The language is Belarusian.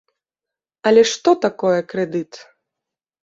Але што такое крэдыт?